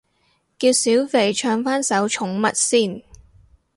叫小肥唱返首寵物先